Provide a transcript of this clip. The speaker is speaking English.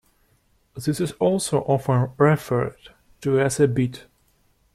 This is also often referred to as a beat.